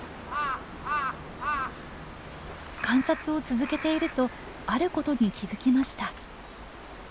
観察を続けているとあることに気付きました。